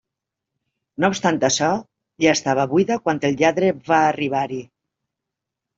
No obstant això, ja estava buida quan el lladre va arribar-hi.